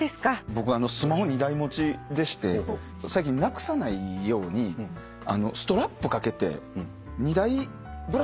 僕スマホ２台持ちでして最近なくさないようにストラップかけて２台ぶら下げてるんですよ。